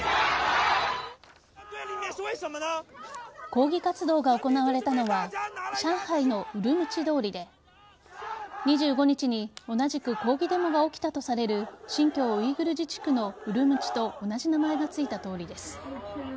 抗議活動が行われたのは上海のウルムチ通りで２５日に同じく抗議デモが起きたとされる新疆ウイグル自治区のウルムチと同じ名前がついた通りです。